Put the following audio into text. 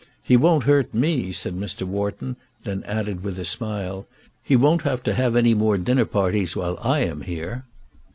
"He won't hurt me," said Mr. Wharton, and then added with a smile, "He won't have to have any more dinner parties while I am here."